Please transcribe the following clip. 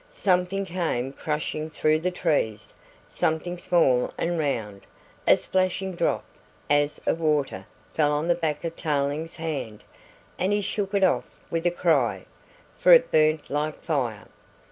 Something came crashing through the trees, something small and round, a splashing drop, as of water, fell on the back of Tarling's hand and he shook it off with a cry, for it burnt like fire.